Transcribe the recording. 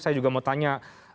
saya juga mau tanya